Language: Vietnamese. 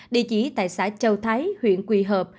địa chỉ tại xã châu thái huyện quy hợp